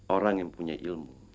orang yang punya ilmu